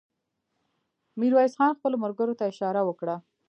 ميرويس خان خپلو ملګرو ته اشاره وکړه.